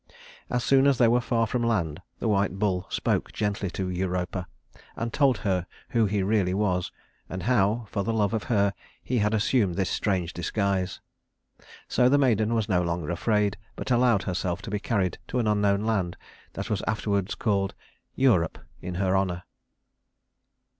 As soon as they were far from the land, the white bull spoke gently to Europa and told her who he really was and how, for love of her, he had assumed this strange disguise. So the maiden was no longer afraid, but allowed herself to be carried to an unknown land that was afterward called Europe in her honor.